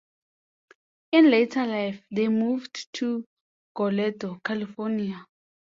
In later life they moved to Goleta, California.